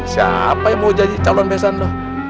siapa yang mau jadi calon besan lo